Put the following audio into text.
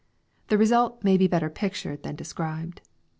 The result may be better pictured than described.